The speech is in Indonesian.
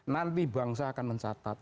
nanti bangsa akan mencatat